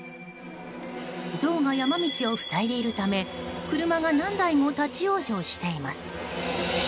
ゾウが山道を塞いでいるため車が何台も立ち往生しています。